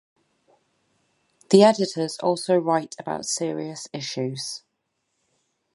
The editors also write about serious issues.